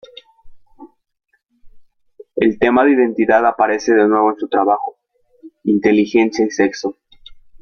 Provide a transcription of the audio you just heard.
El tema de la identidad aparece de nuevo en su trabajo: “Inteligencia y sexo.